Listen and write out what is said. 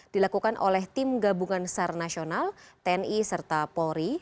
dilakukan oleh tim gabungan sar nasional tni serta polri